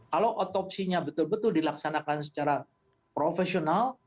kalau otopsinya betul betul dilaksanakan secara profesional